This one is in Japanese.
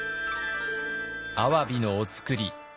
アワビのお造り